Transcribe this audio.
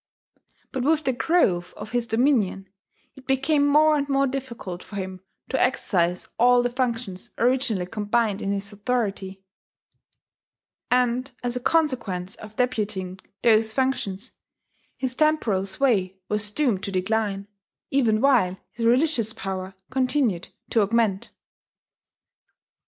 But with the growth of his dominion, it became more and more difficult for him to exercise all the functions originally combined in his authority; and, as a consequence of deputing those functions, his temporal sway was doomed to decline, even while his religious power continued to augment.